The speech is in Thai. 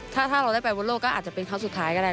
ถ้าเราได้ไปบนโลกก็อาจจะเป็นครั้งสุดท้ายก็ได้